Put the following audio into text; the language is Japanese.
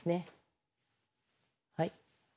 はい。